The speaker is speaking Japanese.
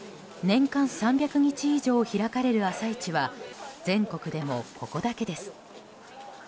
年間３００日以上開かれる朝市は全国でも、ここだけです。